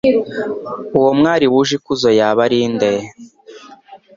Uwo mwami wuje ikuzo yaba ari nde?